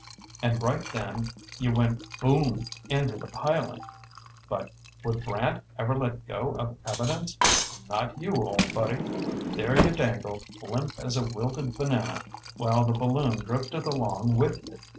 And right then you went boom into the piling. But would Brant ever let go of evidence? Not you, ol' buddy. There you dangled, limp as a wilted banana while the balloon drifted along with you.